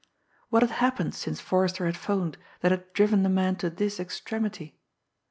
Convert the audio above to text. What had happened since Forrester had 'phoned, that had driven the man to this extremity?